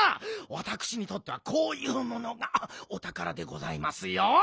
わたくしにとってはこういうものがおたからでございますよ。